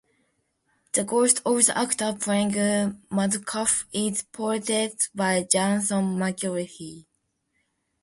The ghost of the actor playing Macduff is portrayed by Jason Mulcahy.